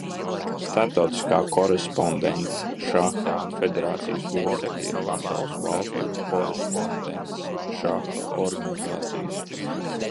Starptautiskā Korespondencšaha federācijas locekļi ir pasaules valstu korespondencšaha organizācijas.